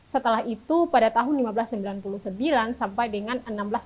setelah itu pada tahun seribu lima ratus sembilan puluh sembilan sampai dengan seribu enam ratus sembilan puluh